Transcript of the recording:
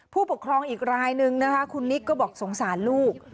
ผู้ปกครองอีกรายนึงนะคะคุณนิกก็บอกสงสารลูก